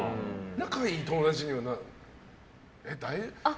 仲いい友達には？